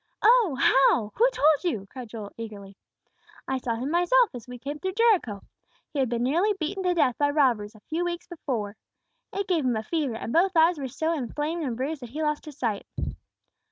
"Oh, how? Who told you?" cried Joel, eagerly. "I saw him myself, as we came through Jericho. He had been nearly beaten to death by robbers a few weeks before. It gave him a fever, and both eyes were so inflamed and bruised that he lost his sight."